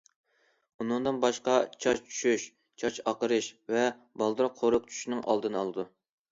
ئۇنىڭدىن باشقا، چاچ چۈشۈش، چاچ ئاقىرىش ۋە بالدۇر قورۇق چۈشۈشنىڭ ئالدىنى ئالىدۇ.